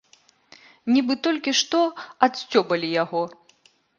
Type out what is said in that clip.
Нібы толькі што адсцёбалі яго.